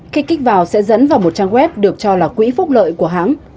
khi kích vào sẽ dẫn vào một trang web được cho là quỹ phúc lợi của hãng